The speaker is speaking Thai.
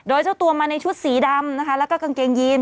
โดยเจ้าตัวมาในชุดสีดำและกางเกงยีน